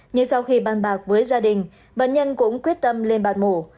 nhưng sau khi ban bạc với gia đình bệnh nhân cũng quyết tâm lên bàn mũ